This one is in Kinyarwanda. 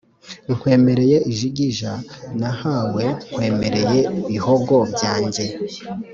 nkwemereye ijigija nahawe, nkwemereye bihogo byanjye ;